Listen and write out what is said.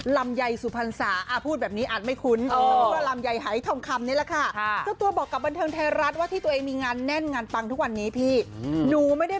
ลำไยศุพรรณสาห์อ้าพูดแบบนี้อาจไม่คุ้นว่าลำไยศุพรรณสาหรัฐค่ะจะตัวบอกกับบันเทิงไทยรัฐว่าที่ตัวเองมีงานแน่นงานปังทุกวันนี้หนูไม่ได้